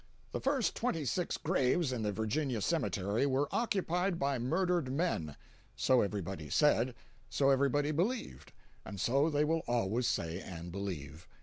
The first twenty six graves in the Virginia cemetery were occupied by murdered men. So everybody said, so everybody believed, and so they will always say and believe.